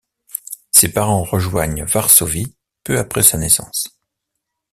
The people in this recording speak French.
Ses parents rejoignent Varsovie peu après sa naissance.